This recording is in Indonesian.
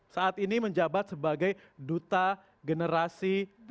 saat ini menjabat sebagai duta generasi